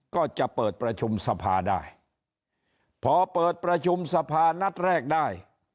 ก็จะเปิดประชุมสภาได้พอเปิดประชุมสภานัดแรกได้